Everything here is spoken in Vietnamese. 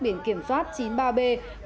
biển kiểm soát chín mươi ba b